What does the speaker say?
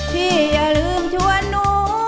อย่าลืมชวนหนู